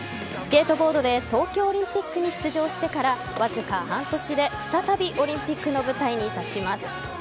スケートボードで東京オリンピックに出場してからわずか半年で再びオリンピックの舞台に立ちます。